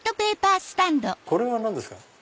これは何ですか？